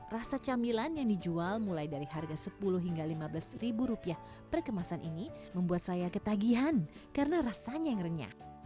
rasa camilan yang dijual mulai dari harga sepuluh hingga lima belas ribu rupiah per kemasan ini membuat saya ketagihan karena rasanya yang renyah